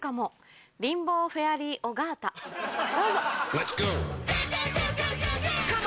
どうぞ。